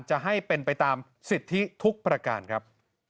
จะให้เป็นไปตามสิทธิทุกประการครับ